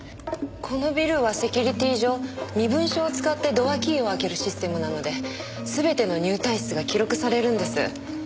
このビルはセキュリティー上身分証を使ってドアキーを開けるシステムなので全ての入退室が記録されるんです。